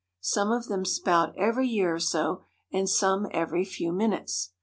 Some of them spout every year or so, and some every few minutes.